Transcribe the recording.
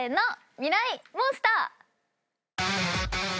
ミライ☆モンスター。